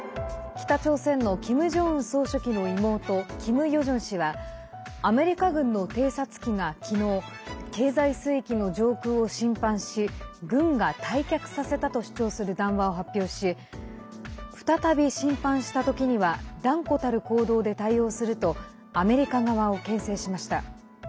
北朝鮮のキム・ジョンウン総書記の妹キム・ヨジョン氏はアメリカ軍の偵察機が昨日経済水域の上空を侵犯し軍が退去させたと主張する談話を発表し再び侵犯した時には断固たる行動で対応するとアメリカ側をけん制しました。